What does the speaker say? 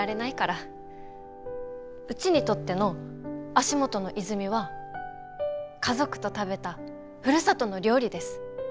うちにとっての足元の泉は家族と食べたふるさとの料理です。